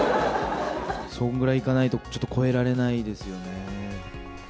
そんぐらいいかないと、ちょっと超えられないですよね。